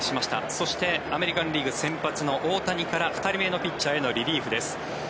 そしてアメリカン・リーグ先発の大谷から２人目のピッチャーへのリリーフです。